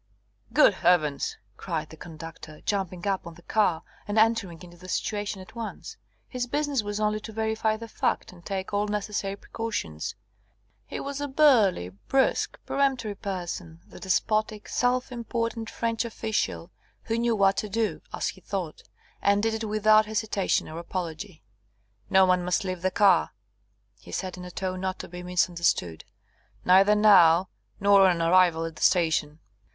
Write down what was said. "Good Heavens!" cried the conductor, jumping up on to the car, and entering into the situation at once. His business was only to verify the fact, and take all necessary precautions. He was a burly, brusque, peremptory person, the despotic, self important French official, who knew what to do as he thought and did it without hesitation or apology. "No one must leave the car," he said in a tone not to be misunderstood. "Neither now, nor on arrival at the station."